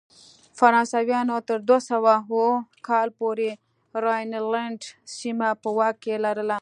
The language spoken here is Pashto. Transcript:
فرانسویانو تر دوه سوه اووه کال پورې راینلنډ سیمه په واک کې لرله.